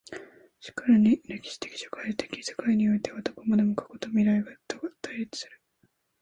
然るに歴史的社会的世界においてはどこまでも過去と未来とが対立する。